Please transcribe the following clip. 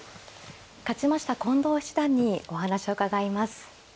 勝ちました近藤七段にお話を伺います。